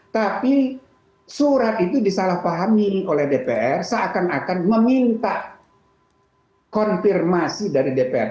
tapi surat itu disalahpahami oleh dpr seakan akan meminta konfirmasi dari dpr